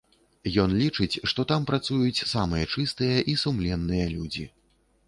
Ён лічыць, што там працуюць самыя чыстыя і сумленныя людзі.